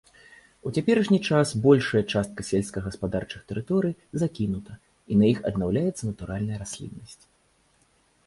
У цяперашні час большая частка сельскагаспадарчых тэрыторый закінута і на іх аднаўляецца натуральная расліннасць.